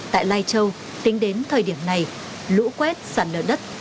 tại lai châu tính đến thời điểm này lũ quét sạt lở đất